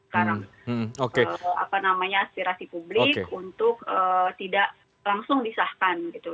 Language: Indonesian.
karena apa namanya aspirasi publik untuk tidak langsung disahkan gitu